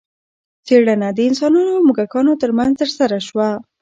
څېړنه د انسانانو او موږکانو ترمنځ ترسره شوه.